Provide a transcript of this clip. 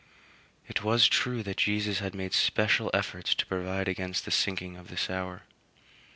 It was true that Jesus had made special efforts to provide against the sinking of this hour.